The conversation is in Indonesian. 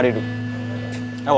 aku mau ke sana